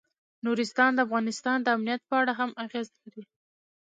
نورستان د افغانستان د امنیت په اړه هم اغېز لري.